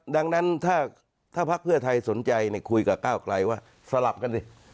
ดังนั้นถ้าพักเพื่อไทยสนใจคุยกับก้าวไกลว่าสลับกันสิ